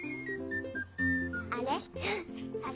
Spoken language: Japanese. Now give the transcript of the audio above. あれ？